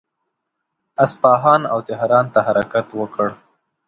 اصفهان او تهران ته حرکت وکړ.